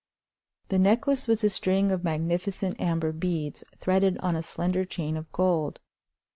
The necklace was a string of magnificent amber beads threaded on a slender chain of gold.